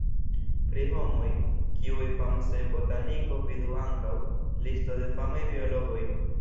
Pri homoj, kiuj famas en botaniko vidu ankaŭ: listo de famaj biologoj.